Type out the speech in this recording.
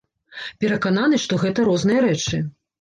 Перакананы, што гэта розныя рэчы.